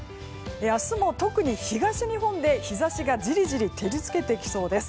明日も特に東日本で日差しがジリジリ照り付けてきそうです。